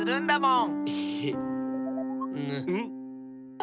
ん？